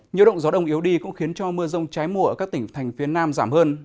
nhiều động gió đông yếu đi cũng khiến cho mưa rông trái mùa ở các tỉnh thành phía nam giảm hơn